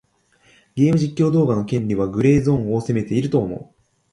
ゲーム実況動画の権利はグレーゾーンを攻めていると思う。